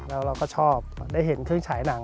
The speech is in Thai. แล้วเราก็ชอบได้เห็นเครื่องฉายหนัง